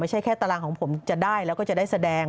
แค่ตารางของผมจะได้แล้วก็จะได้แสดง